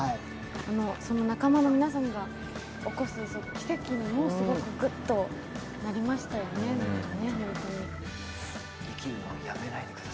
仲間の皆さんが起こす奇跡にもすごくグッとなりましたよね、本当に。